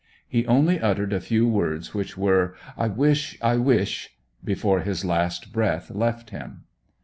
He only uttered a few words, which were: 'I wish, I wish,' before his last breath left him.